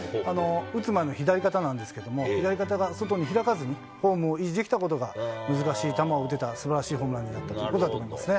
打つ前の左肩なんですけど、左肩が外に開かずに、フォームを維持できたことが難しい球を打てたすばらしいホームランになったということだと思いますね。